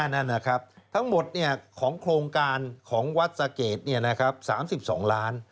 นั่นนะครับทั้งหมดของโครงการของวัดสะเกด๓๒ล้าน